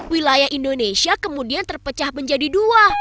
wilayah indonesia kemudian terpecah menjadi dua